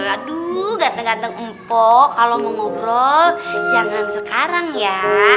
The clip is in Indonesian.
aduh ganteng ganteng empuk kalau mau ngobrol jangan sekarang ya